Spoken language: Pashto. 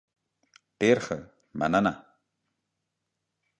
ډیر ښه، مننه.